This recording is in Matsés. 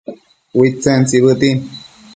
Uidtsen tsibëtin